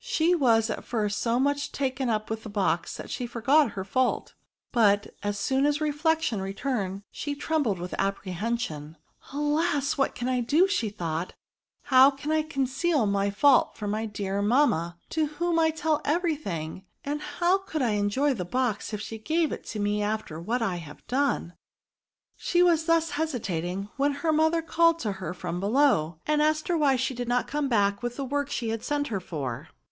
She was at first so much taken up with the box that she forgot her fault ; but, as soon as reflection returned, she trembled with apprehension. •* Alas ! what can I do ?" thought she ;" how can I conceal my fault from my dear mam DEMONSTRATIVE PRONOUNS. S05 ma^ to whom I tell every thing? and how could I enjoy the box if she gave it to me after what I have done?" She was thus hesitating when her mother called to her from below^ and asked her why she did not come back with the work she had sent her for.